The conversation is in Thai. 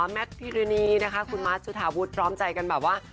แมทพิรณีนะคะคุณมาสจุธาวุฒิพร้อมใจกันแบบว่า